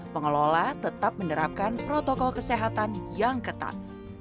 pengelola tetap menerapkan protokol kesehatan yang ketat